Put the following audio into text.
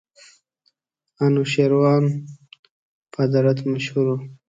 انوشېروان په عدالت مشهور وو.